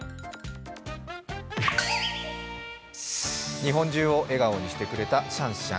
日本中を笑顔にしてくれたシャンシャン。